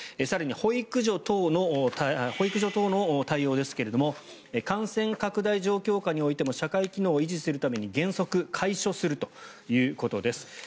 更に保育所等の対応ですが感染拡大状況下においても社会機能を維持するために原則開所するということです。